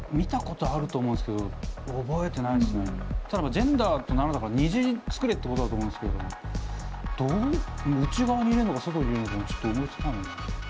ジェンダーと７だから虹作れってことだと思うんすけどどう内側に入れるのか外に入れるのかもちょっと思いつかないな。